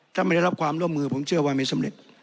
ถ้าไม่ได้รับความร่วมมือผมเชื่อว่าไม่สำเร็จ